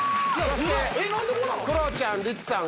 ５！クロちゃんリチさん